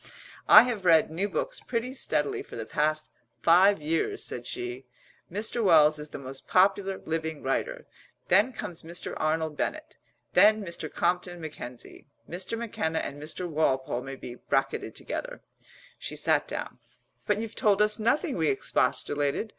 "I have read new books pretty steadily for the past five years," said she. "Mr. Wells is the most popular living writer; then comes Mr. Arnold Bennett; then Mr. Compton Mackenzie; Mr. McKenna and Mr. Walpole may be bracketed together." She sat down. "But you've told us nothing!" we expostulated.